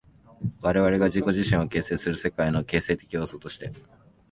我々が自己自身を形成する世界の形成的要素として、